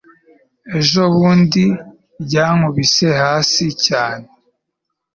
ejo bundi ryankubise hasi cyane